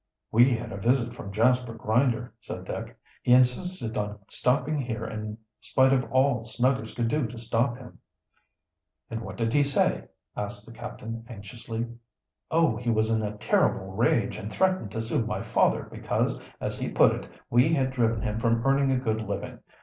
"We had a visit from Jasper Grinder," said Dick. "He insisted on stopping here in spite of all Snuggers could do to stop him." "And what did he say?" asked the captain anxiously. "Oh, he was in a terrible rage, and threatened to sue my father because, as he put it, we had driven him from earning a good living.